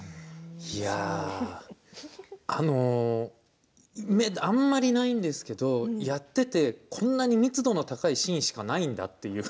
いやああんまりないんですけどやっていてこんなに密度の高いシーンしかないんだと。